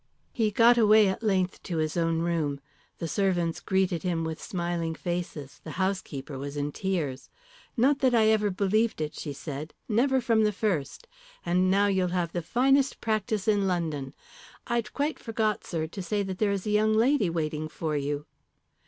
He got away at length to his own room. The servants greeted him with smiling faces, the housekeeper was in tears. "Not that I ever believed it," she said, "Never from the first. And now you'll have the finest practice in London. I'd quite forgot, sir, to say that there is a young lady waiting for you."